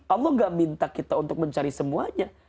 allah gak minta kita untuk mencari semuanya